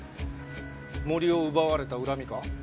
森を奪われた恨みか？